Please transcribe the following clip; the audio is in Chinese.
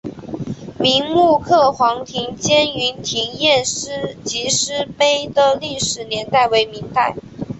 明摹刻黄庭坚云亭宴集诗碑的历史年代为明代。